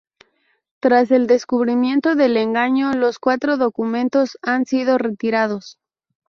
Tras el descubrimiento del engaño, los cuatro documentos han sido retirados.